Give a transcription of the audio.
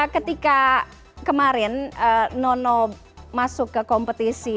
ketika kemarin nono masuk ke kompetisi